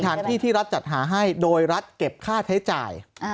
ที่รัฐจัดหาให้โดยรัฐเก็บค่าใช้จ่าย